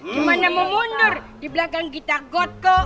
gimana mau mundur di belakang kita got kok